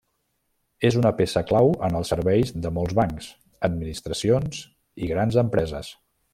És una peça clau en els serveis de molts bancs, administracions i grans empreses.